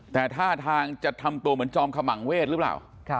แต่ท่าทางจะทำตัวเหมือนจอมขมังเวทหรือเปล่า